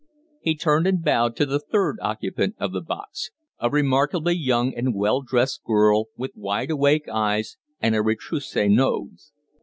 He turned and bowed to the third occupant of the box a remarkably young and well dressed girl with wide awake eyes and a retrousse nose.